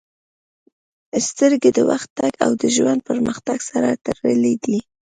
• سترګې د وخت تګ او د ژوند پرمختګ سره تړلې دي.